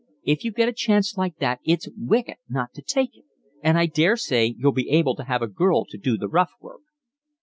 If you get a chance like that it's wicked not to take it. And I daresay you'd be able to have a girl to do the rough work."